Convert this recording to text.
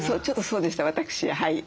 ちょっとそうでした私。